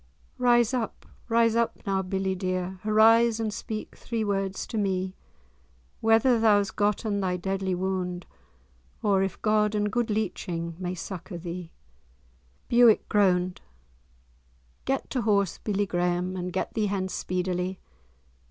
"Rise up, rise up, now, billie dear, Arise and speak three words to me! Whether thou's gotten thy deadly wound, Or if God and good leeching[#] may succour thee?" [#] Doctoring. Bewick groaned. "Get to horse, billie Graeme, and get thee hence speedily.